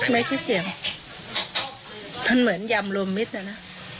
ในคลิปเสียงมันเหมือนยำรวมมิตรนะนะ